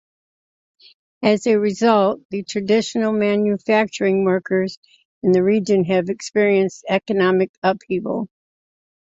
As a result, the traditional manufacturing workers in the region have experienced economic upheaval.